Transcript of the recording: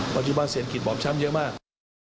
ปัจจุบันเศรษฐกิจบอบช้ำเยอะมาก